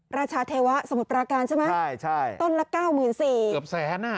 ราชาเทวะสมุทรปราการใช่ไหมใช่ใช่ต้นละเก้าหมื่นสี่เกือบแสนอ่ะ